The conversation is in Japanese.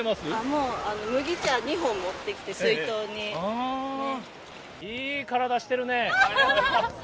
もう、麦茶２本持ってきて、いい体してるね。